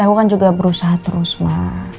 aku kan juga berusaha terus mbak